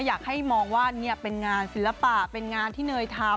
อยากให้มองว่านี่เป็นงานศิลปะเป็นงานที่เนยทำ